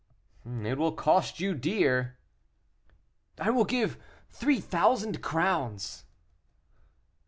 "It will cost you dear." "I will give three thousand crowns."